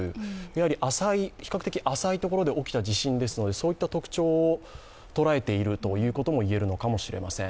やはり比較的浅いところで起きた地震ですのでそういった特徴を捉えているということも言えるのかもしれません。